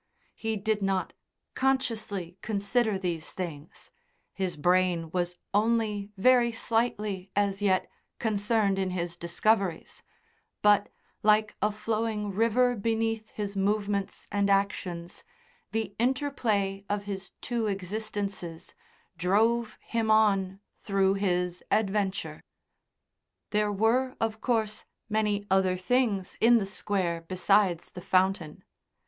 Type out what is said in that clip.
He did not consciously consider these things; his brain was only very slightly, as yet, concerned in his discoveries; but, like a flowing river, beneath his movements and actions, the interplay of his two existences drove him on through, his adventure. There were, of course, many other things in the Square besides the fountain.